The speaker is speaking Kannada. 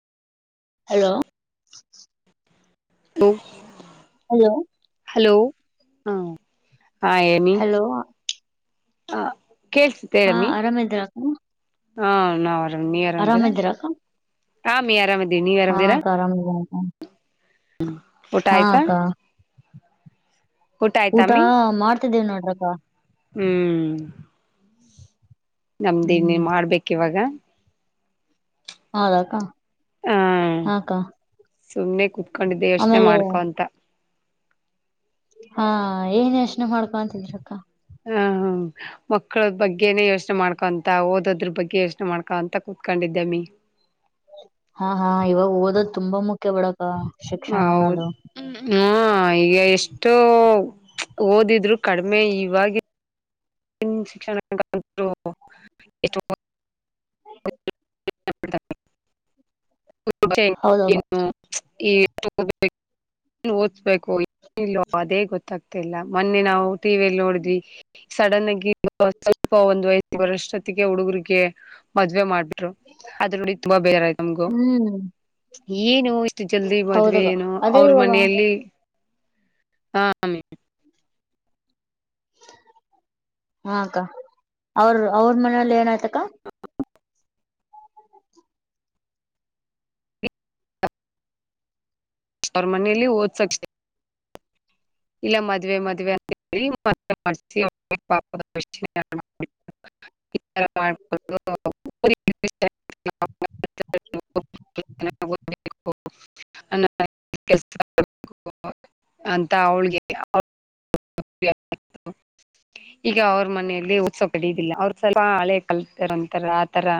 ಹಲೋ. ಹಲೋ. ಹಲೋ. ಹಲೋ ಹ ಹಾಯನಿ. ಹಲೋ ಹ ಕೇಳ್ಸ್ತತ್ ಹಾ ಹೇಳಮಿ. ಆರಾಮಿದ್ರಕ್ಕ ಹಾ ನಾವ್ ಆರಾಮ್ ನೀ ಆರಾಮದೀರಾ ಆರಾಮಿದ್ರಕ್ಕ ಹಾ ಅಮಿ ಆರಾಮದಿವ್. ಹಾ ಅಕ್ಕ ಆರಾಮದೀವ್ ಹ ಊಟ ಆಯ್ತಾ. ಊಟ ಮಾಡ್ತದಿನ್ ನೋಡ್ರಪ. ಹ್ಮ್. ನಮ್ದ ಇ ಹ್ಮ್ ನೀ ಮಾಡ್ಬೇಕಿವಾಗ. ಹಾದಾಕ್ಕ ಹ ಹಾ ಅಕ್ಕ. ಸುಮ್ನೆ ಕುತ್ಕೊಂಡಿದ್ದೆ ಯೋಚ್ನೆ ಮಾಡ್ಕೊಂತ. ಹಾ ಏನ್ ಯೋಚ್ನೆ ಮಾಡ್ಕೊಂತಿದ್ರಕ್ಕ. ಹ ಹ್ಮ ಮಕ್ಳುದ್ ಬಗ್ಗೆ ನೆೇ ಯೋಚ್ನೆ ಮಾಡ್ಕೊಂ ಅ ಓದದ್ರು ಬಗ್ಗೆ ಯೋಚ್ನೆ ಮಾಡ್ಕೊಂತ ಕೂತ್ಕೊಂಡಿದ್ದಮ್ಮಿ. ಹಾ ಹಾ ಇವಾಗ್ ಓದದ್ ತುಂಬ ಮುಖ್ಯ ಬಿಡಕ. ಶಿಕ್ಷಣ ಹೌದು. ಅನ್ನೋದು ಹಾ ಈಗ ಎಷ್ಟೋ ಓದಿದ್ರು ಕಡ್ಮೆ ಇವಾಗಿನ್. [unintelligible] ಹೌದಕ್ಕ [inaudible] ಏನ್ ಓಸ್ಬೇಕು ಏನಿಲ್ಲೋ ಅದೇ ಗೊತ್ತಾಗ್ತಿಲ್ಲ ಮೊನ್ನೆ ನಾವು ಟಿವಿಯಲ್ಲಿ ನೋಡಿದ್ವಿ. ಸಡನಗಿ ಸ್ವಲ್ಪ ಒಂದ್ ವಯಸ್ ಬರೊಷ್ಟೊತ್ತಿಗೆ ಹುಡುಗ್ರಿಗೆ. ಮದ್ವೆ ಮಾಡ್ಬಿಟ್ರು ಅದ್ರ ನುಡಿ ತುಂಬಾ ಬೇಜಾರ್ ಆಯ್ತಾ ನಮ್ಗು. ಹ್ಮ್. ಏನು ಇಷ್ಟು ಜಲ್ದಿ ಮದ್ವೆ ಹೌದಕ್ಕ ಏನು ಅದೇ ಅವ್ರ ಇವಾಗ ಮನೆಯಲ್ಲಿ. ಹಾಂ ಮ್ ಹಾ ಅಕ್ಕಾ ಅವ್ರ ಅವ್ರ ಮನೇಲ ಏನಾಯ್ತಕ್ಕ. [unintelligible] ಅವ್ರ ಮನೇಲಿ ಓದ್ಸಕ್ಕೆ. ಇಲ್ಲ ಮದ್ವೆ ಮದವೆ ಅಂತ ಹೇಳಿ ಮದ್ವೆ ಮಾಡ್ಸಿ [unintelligible] ಇತರ ಮಾಡ್ಬಾರದು [unintelligible] [unintelligible] ತಾ ಅವ್ಳಿಗೆ [unintelligible] ಈಗ ಅವ್ರ ಮನೆಯಲ್ಲಿ ಸ್ವಲ್ಪ್ [unintelligible] ಇಲ್ಲ ಅವ್ರು ಸ್ವಲ್ಪ ಹಳೆ ಕಲ್ತಾರ ಅಂತಾರ ಆತರ.